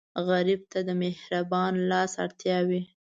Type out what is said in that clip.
غریب ته د مهربان لاس اړتیا وي